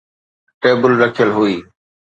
table رکيل هئي